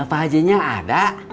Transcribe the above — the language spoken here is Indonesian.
pak hajinya ada